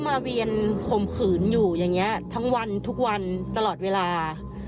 เวียนข่มขืนอยู่อย่างนี้ทั้งวันทุกวันตลอดเวลา